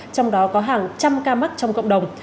trong đó có hàng trăm ca mắc trong cộng đồng